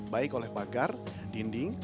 baik oleh pagar dinding